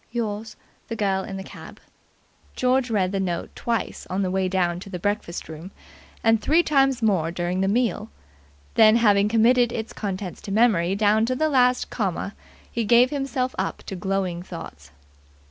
Yours, THE GIRL IN THE CAB." George read the note twice on the way down to the breakfast room, and three times more during the meal; then, having committed its contents to memory down to the last comma, he gave himself up to glowing thoughts.